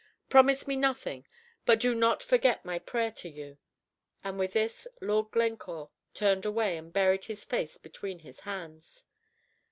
Promise me nothing, but do not forget my prayer to you." And with this, Lord Glencore turned away, and buried his face between his hands.